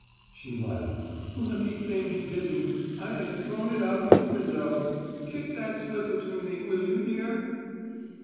She laughed. "Lucky thing he didn't: I'd have thrown it out of the window. Kick that slipper to me, will you, dear?"